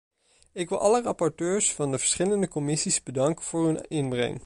Ik wil alle rapporteurs van de verschillende commissies bedanken voor hun inbreng.